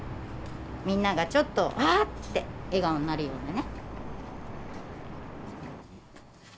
みんながちょっとわあって笑顔になるようなね。